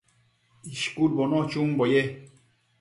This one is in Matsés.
ishcudbono chunbo iqueque